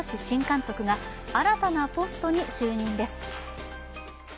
新監督が新たなポストに就任です。